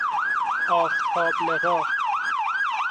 آفتاب لقا